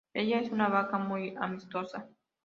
Ella es una vaca muy amistosa.